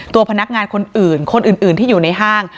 ตัวพนักงานคนอื่นคนอื่นที่อยู่ในห้าง